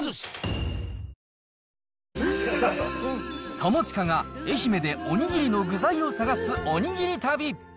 友近が愛媛でおにぎりの具材を探すおにぎり旅。